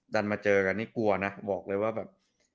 ดันมาเจอกันนี่กลัวนะบอกเลยว่าแบบ